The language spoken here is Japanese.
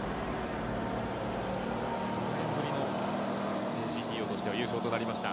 ５年ぶりのＪＧＴＯとしては優勝となりました。